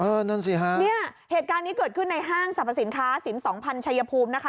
นั่นสิฮะเนี่ยเหตุการณ์นี้เกิดขึ้นในห้างสรรพสินค้าสินสองพันชายภูมินะคะ